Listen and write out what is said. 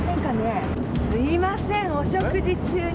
すいませんお食事中に。